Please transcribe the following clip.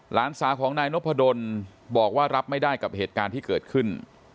หลานสาวของนายนพดลบอกว่ารับไม่ได้กับเหตุการณ์ที่เกิดขึ้น